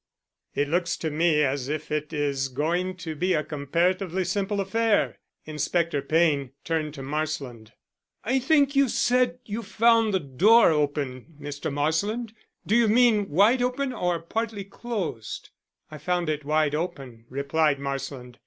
"It looks to me as if it is going to be a comparatively simple affair." Inspector Payne turned to Marsland. "I think you said you found the door open, Mr. Marsland. Do you mean wide open or partly closed?" "I found it wide open," replied Marsland.